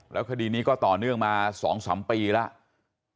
แล้วคดีนี้ก็ต่อเนื่องมา๒๓ปีแล้ว